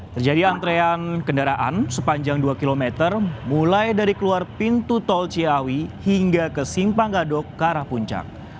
terjadi antrean kendaraan sepanjang dua km mulai dari keluar pintu tol ciawi hingga ke simpang gadok ke arah puncak